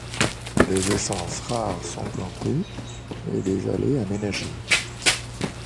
Des essences rares sont plantées et des allées aménagées.